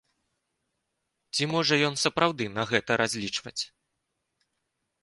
Ці можа ён сапраўды на гэта разлічваць?